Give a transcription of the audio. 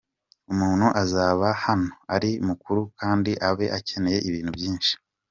Umuntu aza hano ari mukuru kandi aba akeneye ibintu byishi.